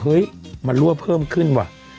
เฮ้ยมันรั่วเพิ่มขึ้นว่ะ